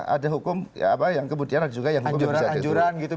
ada hukum yang kemudian ada juga yang hukum yang bisa diturunkan gitu